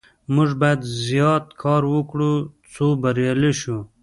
موږ باید زیات کار وکړو څو بریالي شو.